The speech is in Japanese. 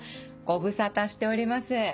ご無沙汰しております。